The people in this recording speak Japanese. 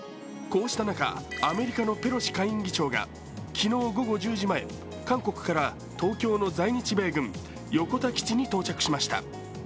こうした中、アメリカのペロシ下院議長が昨日午後１０時前、韓国から東京の在日米軍横田基地に到着しました。